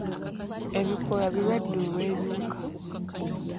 Ebikoola birwadde olw'ebiwuka.